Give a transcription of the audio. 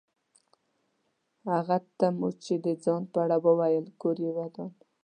هغه ته مو چې د ځان په اړه وویل کور یې ودان.